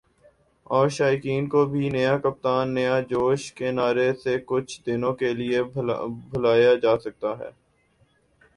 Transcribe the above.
اور شائقین کو بھی "نیا کپتان ، نیا جوش" کے نعرے سے کچھ دنوں کے لیے بہلایا جاسکتا ہے